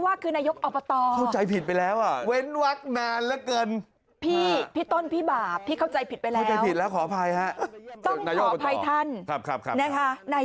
ท่านขยันไปเยี่ยมประชาชน